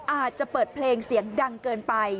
อาจจะเปิดเพลงเสียงดังเกินไป